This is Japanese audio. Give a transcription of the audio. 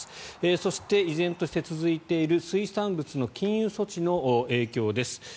そして、依然として続いている水産物の禁輸措置の影響です。